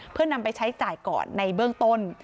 เพื่อนำไปใช้จ่ายก่อนในเบื้องต้น